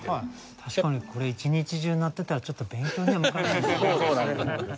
確かにこれ一日中鳴ってたらちょっと勉強には向かないですね。